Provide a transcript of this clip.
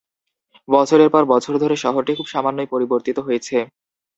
বছরের পর বছর ধরে শহরটি খুব সামান্যই পরিবর্তিত হয়েছে।